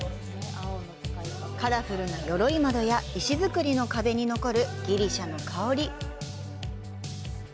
カラフルなよろい窓や石造りの壁に残るギリシャの香り。